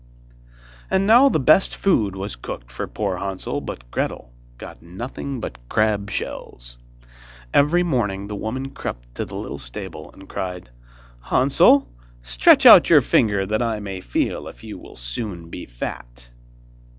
And now the best food was cooked for poor Hansel, but Gretel got nothing but crab shells. Every morning the woman crept to the little stable, and cried: 'Hansel, stretch out your finger that I may feel if you will soon be fat.